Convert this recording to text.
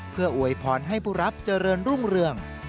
เพื่ออวยพรให้ผู้รับเจริญรุ่งเรือง